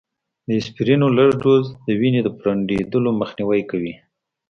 د اسپرينو لږ ډوز، د وینې د پرنډېدلو مخنیوی کوي